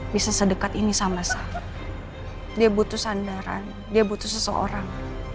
bisa sedekat ini sama saya dia butuh sandaran dia butuh seseorang